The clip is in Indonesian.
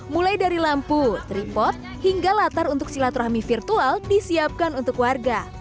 mulai dari lampu tripot hingga latar untuk silaturahmi virtual disiapkan untuk warga